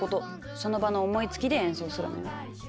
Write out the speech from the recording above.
その場の思いつきで演奏するのよ。